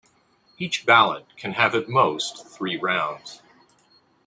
Each ballot can have at most three rounds.